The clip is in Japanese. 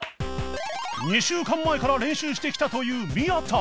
２週間前から練習してきたという宮田